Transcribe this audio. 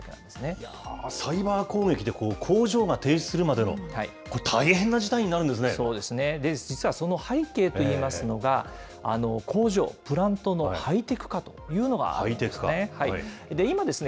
いやー、サイバー攻撃で工場が停止するまでの、大変な事態にそうですね、実は、その背景といいますのが、工場、プラントのハイテク化というのがあるんですね。